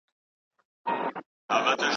دا بنسټ استثماري بڼه نه لري.